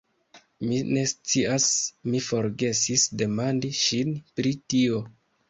Mi ne scias, mi forgesis demandi ŝin pri tio.